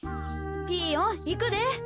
ピーヨンいくで。